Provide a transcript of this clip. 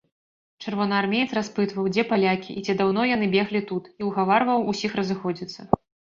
Чырвонаармеец распытваў, дзе палякі і ці даўно яны беглі тут, і ўгаварваў усіх разыходзіцца.